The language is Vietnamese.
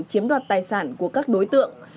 chiếm đoạt tài sản của các đối tượng